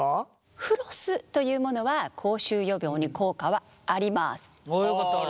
フロスというものは口臭予防に効果はあります。